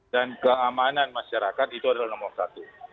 dan keamanan masyarakat itu adalah nomor satu